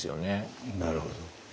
なるほど。